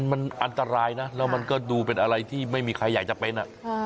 มันอันตรายนะแล้วมันก็ดูเป็นอะไรที่ไม่มีใครอยากจะเป็น